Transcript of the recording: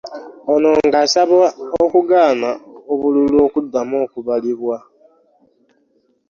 Ono ng'asaba okugaana obululu okuddamu okubalibwa